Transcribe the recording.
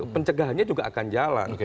pencegahannya juga akan jalan